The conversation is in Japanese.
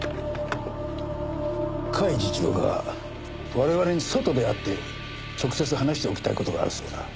甲斐次長が我々に外で会って直接話しておきたい事があるそうだ。